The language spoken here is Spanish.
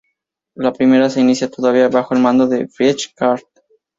La primera se inicia todavía bajo el mando de Friedrich Carl.